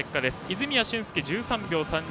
泉谷駿介が１３秒３２